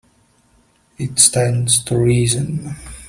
It stands to reason.